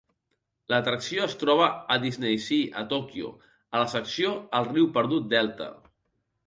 L'atracció es troba a DisneySea a Tòquio, a la secció el riu perdut Delta.